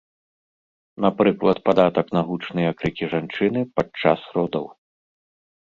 Напрыклад, падатак на гучныя крыкі жанчыны падчас родаў.